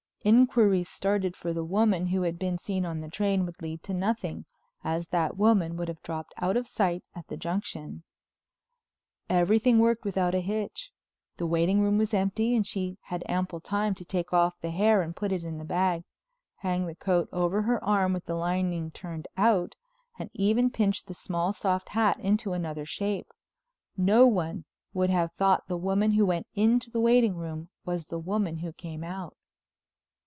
Inquiries started for the woman who had been seen on the train would lead to nothing, as that woman would have dropped out of sight at the Junction. Everything worked without a hitch. The waiting room was empty and she had ample time to take off the hair and put it in the bag, hang the coat over her arm with the lining turned out, and even pinch the small, soft hat into another shape. No one would have thought the woman who went into the waiting room was the woman who came out.